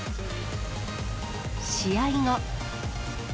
試合後。